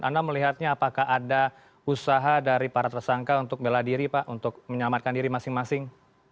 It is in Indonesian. anda melihatnya apakah ada usaha dari para tersangka untuk bela diri pak untuk menyelamatkan diri masing masing